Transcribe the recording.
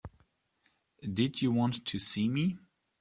Did you want to see me?